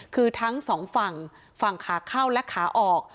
คือทั้งสองฝั่งฝั่งขาเข้าและขาออก